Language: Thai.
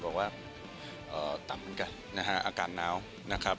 บอกว่าต่ำเหมือนกันนะฮะอาการน้าวนะครับ